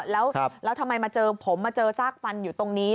แล้วทำไมมาเจอผมมาเจอซากฟันอยู่ตรงนี้